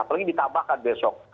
apalagi ditabahkan besok